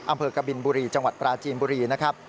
กบินบุรีจังหวัดปราจีนบุรีนะครับ